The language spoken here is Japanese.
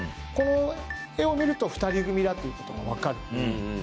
この絵を見ると２人組だということが分かる。